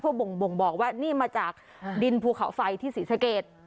เพื่อบ่งบอกว่านี่มาจากดินภูเขาไฟที่ศรีสเกต